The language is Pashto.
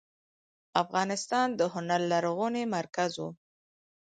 افغانستان د هنر لرغونی مرکز و.